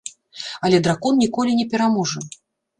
Але дракон ніколі не пераможа.